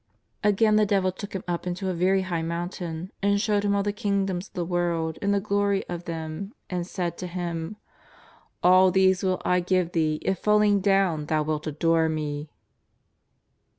127 Again the devil took Him up into a very high moun tain and showed Him all the kingdoms of the world and the glory of them and said to Him : "All these will I give Thee if falling down Thou wilt adore me."